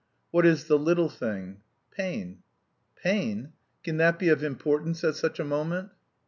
"What is the little thing?" "Pain." "Pain? Can that be of importance at such a moment?"